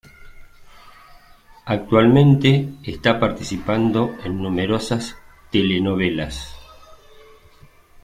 Actualmente está participando en numerosas telenovelas.